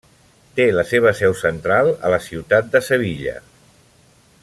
Té la seva seu central a la ciutat de Sevilla.